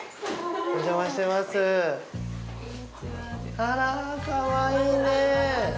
あらかわいいね。